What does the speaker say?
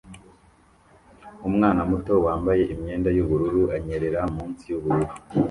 umwana muto wambaye imyenda yubururu anyerera munsi yubururu